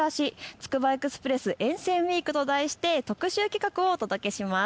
つくばエクスプレス沿線ウイークと題して特集企画をお届けします。